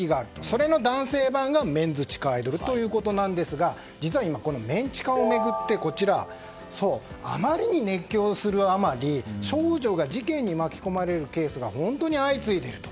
それの男性版がメンズ地下アイドルということなんですが実は今、メン地下を巡ってあまりに熱狂するあまり少女が事件に巻き込まれるケースが本当に相次いでいると。